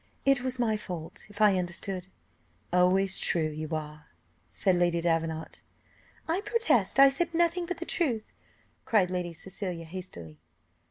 "It was my fault if I understood " "Always true, you are," said Lady Davenant. "I protest I said nothing but the truth," cried Lady Cecilia hastily.